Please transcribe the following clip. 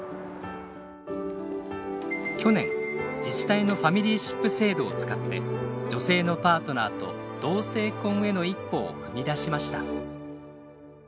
去年自治体のファミリーシップ制度を使って女性のパートナーと同性婚への一歩を踏み出しました。